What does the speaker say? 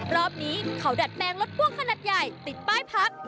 รอบนี้เขาดัดแปลงรถพ่วงขนาดใหญ่ติดป้ายพัก